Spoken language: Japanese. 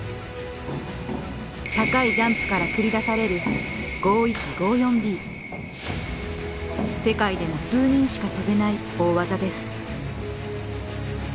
高いジャンプから繰り出される世界でも数人しか飛べない大技です。